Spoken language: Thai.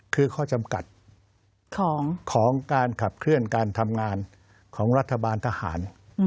คือข้อจำกัดของการขับเคลื่อนการทำงานของรัฐบาลทหาร